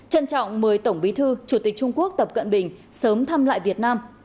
trân trọng mời tổng bí thư chủ tịch trung quốc tập cận bình sớm thăm lại việt nam